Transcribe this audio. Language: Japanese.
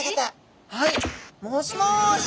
はいもしもし。